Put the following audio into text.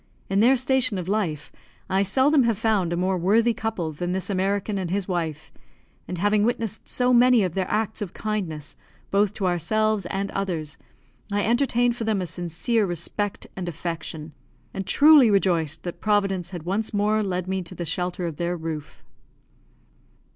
In their station of life, I seldom have found a more worthy couple than this American and his wife; and, having witnessed so many of their acts of kindness, both to ourselves and others, I entertained for them a sincere respect and affection, and truly rejoiced that Providence had once more led me to the shelter of their roof.